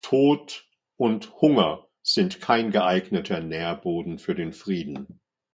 Tod und Hunger sind kein geeigneter Nährboden für den Frieden!